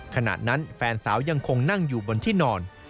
ขณะนั้นแฟนสาวยังคงนั่งอยู่บนที่นอน